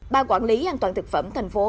ban quản lý an toàn thực phẩm thành phố